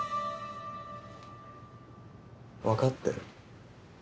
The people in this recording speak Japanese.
わかってる。